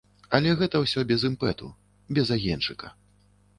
Але гэта ўсё без імпэту, без агеньчыка.